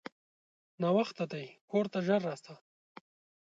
ناوخته دی کورته ژر راسه!